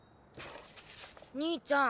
兄ちゃん